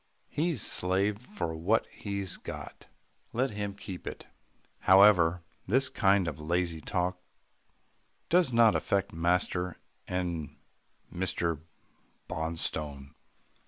He's slaved for what he got. Let him keep it." However, this kind of lazy talk does not affect master and Mr. Bonstone.